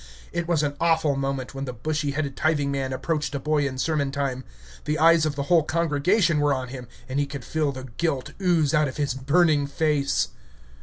It was an awful moment when the bushy headed tithing man approached a boy in sermon time. The eyes of the whole congregation were on him, and he could feel the guilt ooze out of his burning face.